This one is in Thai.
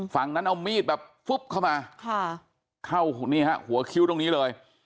ฝั่งนั้นเอามีดแบบฟึ๊บเข้ามาเข้านี่ฮะหัวคิ้วตรงนี้เลย